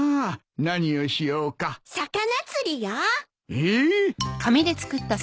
えっ！？